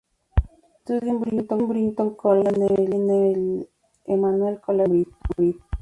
Estudió en el Brighton College y en el Emmanuel College de Cambridge.